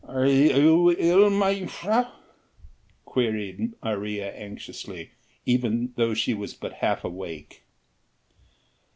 "Are you ill, mejuffrouw?" queried Maria anxiously even though she was but half awake.